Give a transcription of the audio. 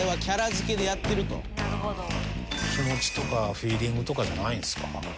気持ちとかフィーリングとかじゃないんですか？